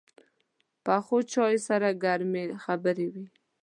پخو چایو سره ګرمې خبرې وي